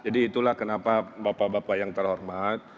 jadi itulah kenapa bapak bapak yang terhormat